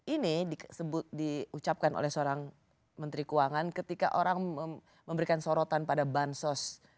ini diucapkan oleh seorang menteri keuangan ketika orang memberikan sorotan pada bansos